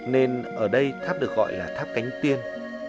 nên ở đây tháp được gọi là tháp cánh tiên